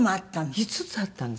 ５つあったんです。